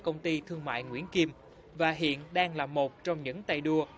công ty thương mại nguyễn kim và hiện đang là một trong những tay đua